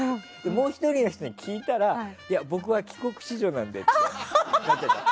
もう１人の人に聞いたら僕は帰国子女なんでって。